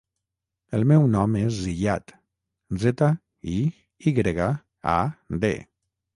El meu nom és Ziyad: zeta, i, i grega, a, de.